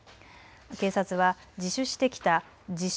警察は自首してきた自称